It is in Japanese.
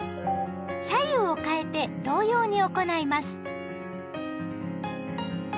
左右をかえて同様に行います。